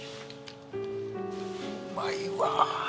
うまいわ。